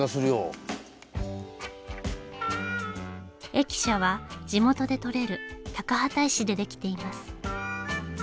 駅舎は地元で採れる高畠石でできています。